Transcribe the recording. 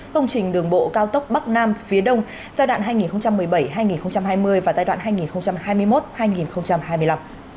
công trình đường bộ cao tốc bắc nam phía đông giai đoạn hai nghìn một mươi bảy hai nghìn hai mươi và giai đoạn hai nghìn hai mươi một hai nghìn hai mươi năm